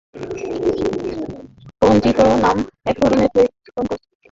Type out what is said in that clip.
Spongin নামক এক ধরনের জৈবতন্তু দেহের কাঠামো গঠন করে।